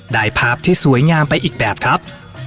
ได้ภาพที่สวยงามไปอีกแบบครับ